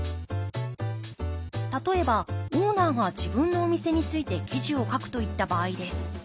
例えばオーナーが自分のお店について記事を書くといった場合です。